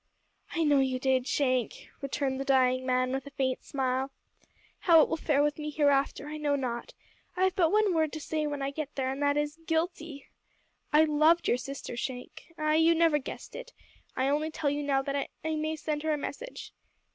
"I know you did, Shank," returned the dying man, with a faint smile. "How it will fare with me hereafter I know not. I've but one word to say when I get there, and that is guilty! I I loved your sister, Shank. Ay you never guessed it. I only tell you now that I may send her a message.